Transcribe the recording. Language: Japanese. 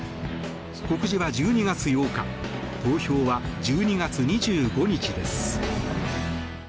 告示は１２月８日投票は１２月２５日です。